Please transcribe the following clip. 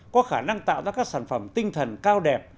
có khả năng tạo ra các sản phẩm tinh thần cao đẹp